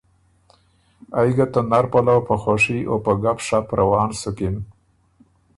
ائ ګه ته نر پلؤ په خوَشي او په ګپ شپ روان سُکِن۔